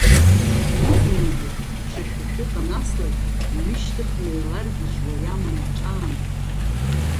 Знызынлагьы ԥшашәышәык анаслак, иҩышьҭыхны еиларгьежьуа иаманы аҿаанахон.